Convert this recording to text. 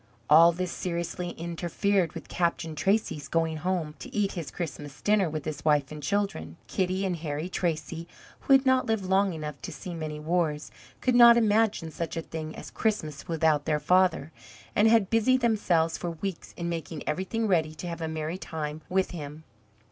All this seriously interfered with Captain Tracy's going home to eat his Christmas dinner with his wife and children. Kitty and Harry Tracy, who had not lived long enough to see many wars, could not imagine such a thing as Christmas without their father, and had busied themselves for weeks in making everything ready to have a merry time with him.